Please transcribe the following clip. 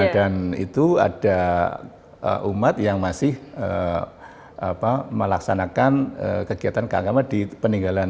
dan itu ada umat yang masih melaksanakan kegiatan keagama di peninggalan